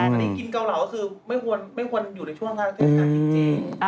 อันนี้กินเกาเหลาก็คือไม่ควรอยู่ในช่วงทางเทศธรรมดีเจ